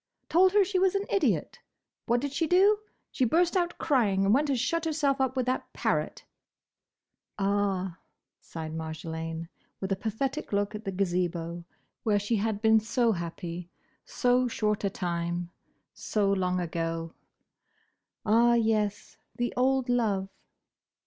Told her she was an idiot. What did she do? She burst out crying, and went and shut herself up with that parrot." "Ah!" sighed Marjolaine, with a pathetic look at the Gazebo, where she had been so happy so short a time, so long ago, "Ah, yes! The old love!"